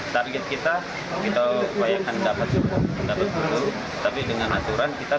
target kita kita bayangkan dapat dulu tapi dengan aturan kita tujuh hari